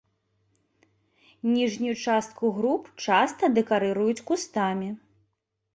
Ніжнюю частку груп часта дэкарыруюць кустамі.